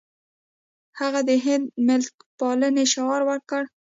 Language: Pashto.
هغه د هند ملتپالنې شعار ورکړ.